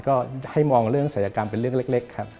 ก็ให้มองเรื่องศัยกรรมเป็นเรื่องเล็กครับ